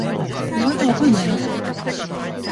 意外と若いんだな